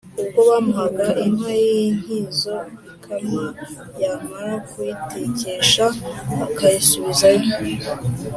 ubwo bamuhaga inka y’intizo ikamwa, yamara kuyitekesha akayisubizayo.